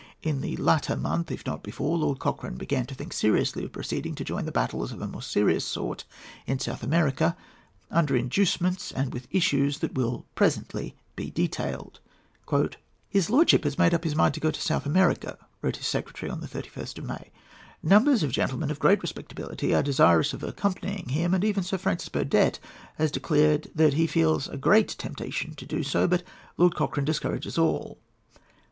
In the latter month, if not before, Lord Cochrane began to think seriously of proceeding to join in battles of a more serious sort in South America, under inducements and with issues that will presently be detailed. "His lordship has made up his mind to go to South America," wrote his secretary on the 31st of May. "Numbers of gentlemen of great respectability are desirous of accompanying him, and even Sir Francis Burdett has declared that he feels a great temptation to do so; but Lord Cochrane discourages all.